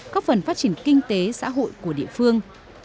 có phần phát triển kinh tế xã hội của địa phương